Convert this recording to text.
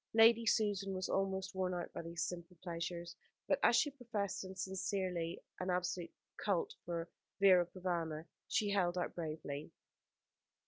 Lady Susan was almost worn out by these simple pleasures; but as she professed, and sincerely, an absolute culte for Vera Provana, she held out bravely.